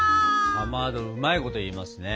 かまどうまいこと言いますね。